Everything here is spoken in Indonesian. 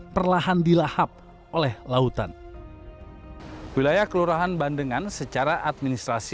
perlahan dilahap oleh penyelenggaraan